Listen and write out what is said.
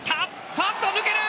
ファースト抜ける！